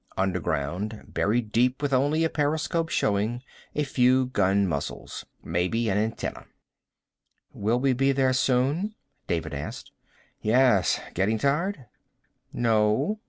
Underground, buried deep, with only a periscope showing, a few gun muzzles. Maybe an antenna. "Will we be there soon?" David asked. "Yes. Getting tired?" "No."